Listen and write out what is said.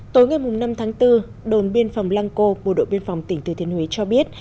tối ngày năm tháng bốn đồn biên phòng lang co bộ đội biên phòng tỉnh từ thiên huế cho biết